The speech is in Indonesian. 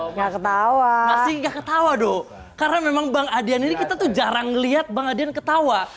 enggak ketawa enggak ketawa doh karena memang bang adian ini kita tuh jarang lihat bang adian ketawa